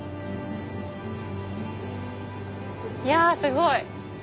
いやすごい。